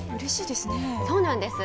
そうなんです。